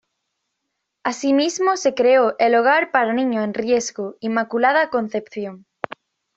Asimismo, se creó el hogar para niños en riesgo "Inmaculada Concepción".